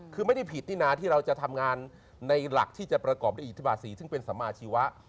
คือไม่ได้ผิดนี่นะที่เราจะทำงานในหลักที่จะประกอบด้วยอิทธิบาสีซึ่งเป็นสมาชีวะ